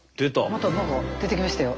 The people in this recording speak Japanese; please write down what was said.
また何か出てきましたよ。